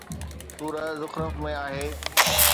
سوره زخرف ۾ آهي